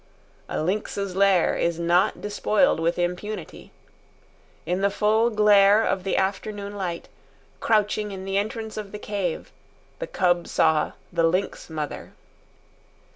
A lynx's lair is not despoiled with impunity. In the full glare of the afternoon light, crouching in the entrance of the cave, the cub saw the lynx mother.